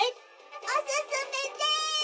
「おすすめです！」。